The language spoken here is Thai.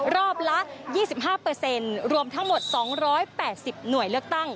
รอบละ๒๕รวมทั้งหมด๒๘๐หน่วยเลือกตั้ง